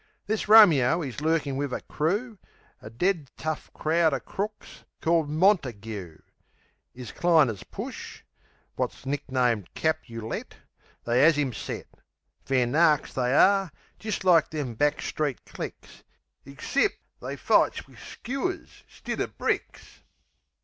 This Romeo 'e's lurkin' wiv a crew A dead tough crowd o' crooks called Montague. 'Is cliner's push wot's nicknamed Capulet They 'as 'em set. Fair narks they are, jist like them back street clicks, Ixcep' they fights wiv skewers 'stid o' bricks.